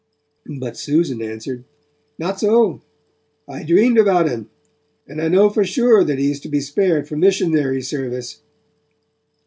But Susan answered: 'Not so. I dreamed about 'un, and I know for sure that he is to be spared for missionary service.'